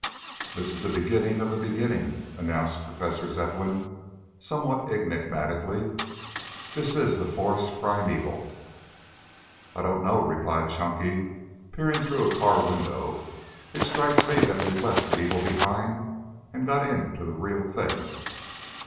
"This is the beginning of the beginning," announced Professor Zepplin somewhat enigmatically. "This is the forest primeval." "I don't know," replied Chunky, peering through a car window. "It strikes me that we've left the evil behind and got into the real thing."